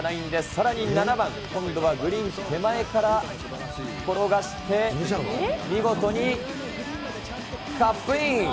さらに７番、今度はグリーン手前から転がして、見事にカップイン。